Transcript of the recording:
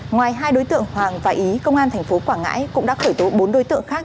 ngoài hai đối tượng hoàng và ý công an tp quảng ngãi cũng đã khởi tố bốn đối tượng khác